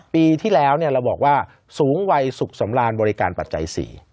ปีที่แล้วเราบอกว่าสูงวัยสุขสำราญบริการปัจจัย๔